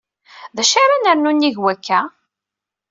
D acu ara nernu nnig wakka?